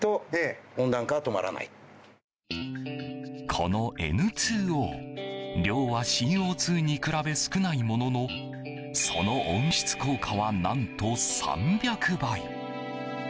このＮ２Ｏ量はＣＯ２に比べ少ないもののその温室効果は何と３００倍！